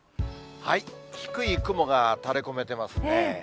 低い雲が垂れこめてますね。